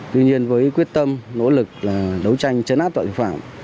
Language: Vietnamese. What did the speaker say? tuy nhiên với quyết tâm nỗ lực đấu tranh chấn áp tội phạm